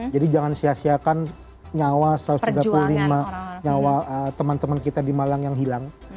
jadi jangan sia siakan nyawa satu ratus tiga puluh lima nyawa teman teman kita di malang yang hilang